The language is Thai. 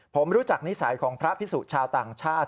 ผมรู้จักนิสัยของพระพิสุชาวต่างชาติ